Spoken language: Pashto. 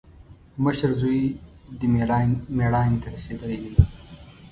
مشر زوی دې مېړانې ته رسېدلی دی.